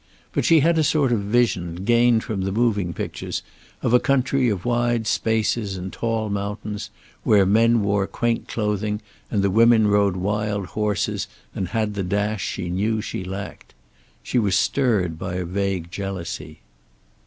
But she had a sort of vision, gained from the moving pictures, of a country of wide spaces and tall mountains, where men wore quaint clothing and the women rode wild horses and had the dash she knew she lacked. She was stirred by vague jealousy.